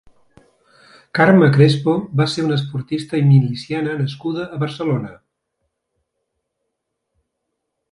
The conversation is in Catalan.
Carme Crespo va ser una esportista i miliciana nascuda a Barcelona.